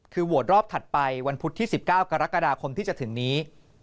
คือโหวตรอบถัดไปวันพุธที่๑๙กรกฎาคมที่จะถึงนี้